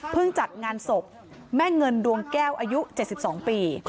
จัดงานศพแม่เงินดวงแก้วอายุ๗๒ปี